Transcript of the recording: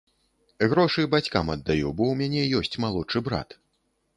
Грошы бацькам аддаю, бо ў мяне ёсць малодшы брат.